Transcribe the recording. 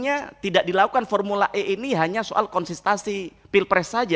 kita tidak bisa adain coba dong kebetulan